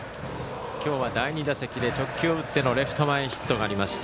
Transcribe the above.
今日は第２打席で直球を打ってのレフト前ヒットがありました